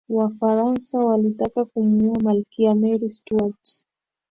wafaransa walitaka kumuua malkia mary stuart